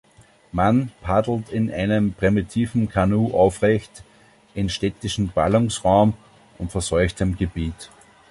Mann paddelt in einem primitiven Kanu aufrecht in städtischem Ballungsraum und verseuchtem Gebiet.